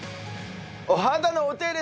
お肌のお手入れ